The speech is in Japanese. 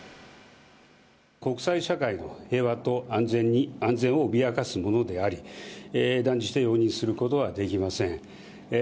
国際社会の平和と安全を脅かすものであり、断じて容認することはできません。